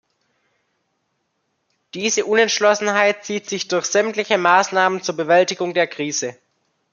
Diese Unentschlossenheit zieht sich durch sämtliche Maßnahmen zur Bewältigung der Krise.